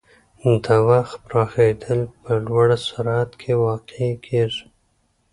د وخت پراخېدل په لوړ سرعت کې واقع کېږي.